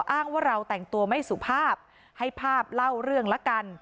อ้างว่าเราแต่งตัวไม่สุภาพให้ภาพเล่าเรื่องละกัน